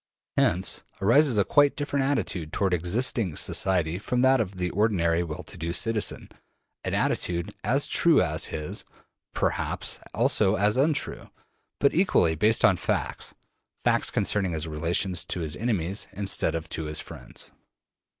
Hence arises a quite different attitude toward existing society from that of the ordinary well to do citizen: an attitude as true as his, perhaps also as untrue, but equally based on facts, facts concerning his relations to his enemies instead of to his friends.